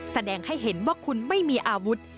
แสดงให้เห็นว่าคุณไม่มีอาวุธ